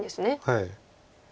はい。